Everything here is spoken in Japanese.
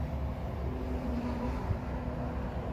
このまま僕は